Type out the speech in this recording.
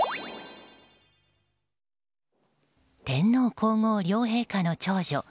天皇・皇后両陛下の長女